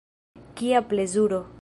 Kia plezuro!